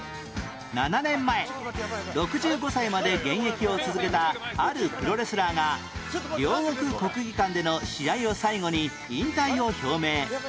７年前６５歳まで現役を続けたあるプロレスラーが両国国技館での試合を最後に引退を表明